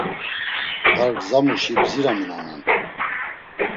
Ar gzamuşi bdziraminonan.